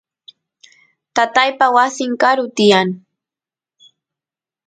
tataypa wasin karu tiyan